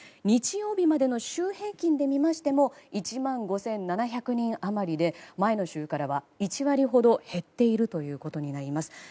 日曜日までの週平均で見ましても１５７００人余りで前の週からは１割ほど減っているということになります。